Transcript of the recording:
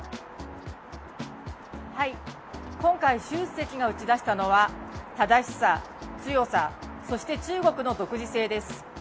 今回、習主席が打ち出したのは正しさ、強さそして中国の独自性です。